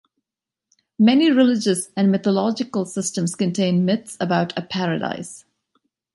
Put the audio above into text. Many religious and mythological systems contain myths about a paradise.